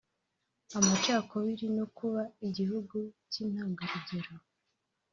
amacakubiri no kuba igihugu cy’intangarugero